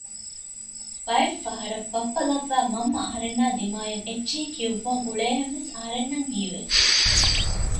ބައެއްފަހަރަށް ބައްޕަ ލައްވައި މަންމަ އަހަރެންނާއި ދިމަޔަށް އެއްޗެއް ކިއުއްވަން އުޅޭހެންވެސް އަހަރެންނަށް ހީވެ